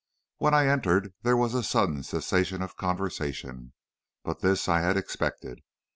"When I entered there was a sudden cessation of conversation; but this I had expected.